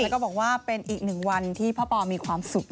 แล้วก็บอกว่าเป็นอีกหนึ่งวันที่พ่อปอมีความสุข